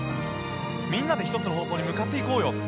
みんなで１つの方向に向かっていこうよ